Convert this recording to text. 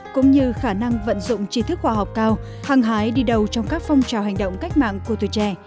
cũng như khả năng vận dụng trí thức khoa học cao hàng hái đi đầu trong các phong trào hành động cách mạng của tuổi trẻ